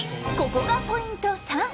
ここがポイント３。